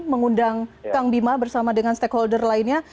mengundang kang bima bersama dengan stakeholder lainnya